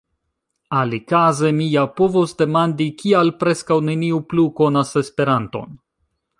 Alikaze mi ja povos demandi: kial preskaŭ neniu plu konas Esperanton?